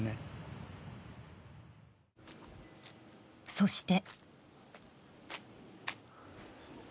そして。